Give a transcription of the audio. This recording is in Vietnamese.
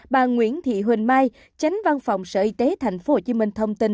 bà nguyễn thị huỳnh mai tránh văn phòng sở y tế thành phố hồ chí minh thông tin